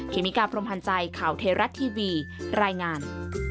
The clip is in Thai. เมกาพรมพันธ์ใจข่าวเทราะทีวีรายงาน